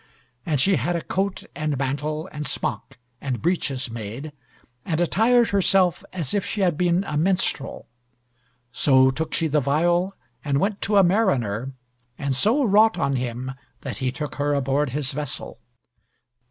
And she had a coat, and mantle, and smock, and breeches made, and attired herself as if she had been a minstrel. So took she the viol and went to a mariner, and so wrought on him that he took her aboard his vessel.